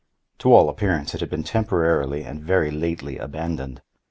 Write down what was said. To all appearance it had been temporarily and very lately abandoned.